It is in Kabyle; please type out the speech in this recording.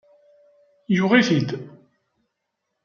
Yuɣ-it-id.